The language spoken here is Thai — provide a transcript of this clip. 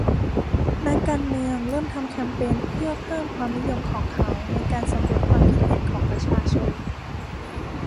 นักการเมืองเริ่มทำแคมเปญเพื่อเพิ่มความนิยมของเขาในการสำรวจความคิดเห็นของประชาชน